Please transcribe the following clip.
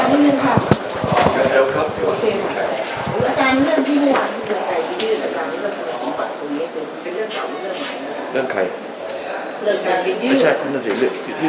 อาจารย์เรื่องใดที่ดื่มกับเรื่องของสมบัติภูมิให้คุณเป็นเรื่องต่อหรือเรื่องหลายหรืออะไร